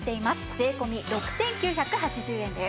税込６９８０円です。